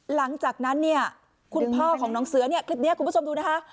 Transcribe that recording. หลังจากนั้นเนี่ยคุณพ่อของน้องเสือเนี่ยคลิปนี้คุณผู้ชมดูนะคะ